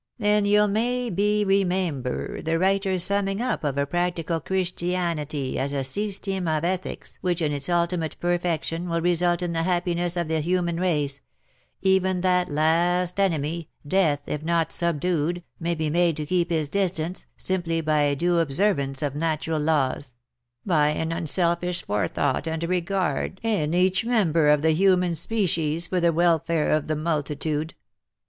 ''" Then ye'll may be remaimber the writer's summing up of practical Chrecstianity as a seestem of ethics which in its ultimate perfection will result in the happiness of the human race — even that last enemy, Death, if not subdued, may be made to keep his distance, seemply by a due observance of natural laws — by an unselfish forethought and regard in each member of the human species for the welfare of the multitude.